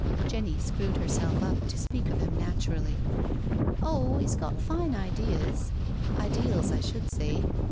Jenny screwed herself up to speak of him naturally: " Oh, he's got fine ideas— ideals, I should say.